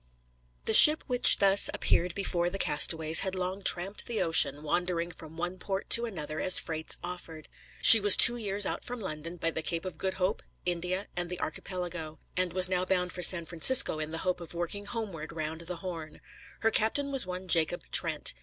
The ship which thus appeared before the castaways had long "tramped" the ocean, wandering from one port to another as freights offered. She was two years out from London, by the Cape of Good Hope, India, and the Archipelago; and was now bound for San Francisco in the hope of working homeward round the Horn. Her captain was one Jacob Trent.